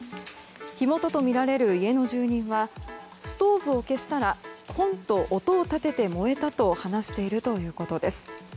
火元とみられる家の住人はストーブを消したらポンと音を立てて燃えたと話しているということです。